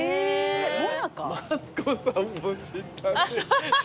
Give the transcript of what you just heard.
「マツコさんも知った」